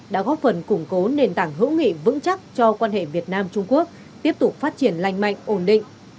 đã góp phần củng cố nền tảng hữu nghị vững chắc cho quan hệ việt nam trung quốc tiếp tục phát triển lành mạnh ổn định